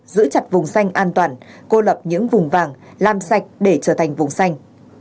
giữ chặt vùng xanh an toàn cô lập những vùng vàng làm sạch để trở thành vùng xanh